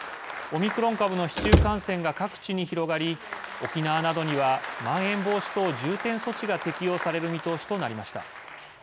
オミクロン株の市中感染が各地に広がり沖縄などにはまん延防止等重点措置が適用される見通しとなりました。